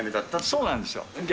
そうなんですよ。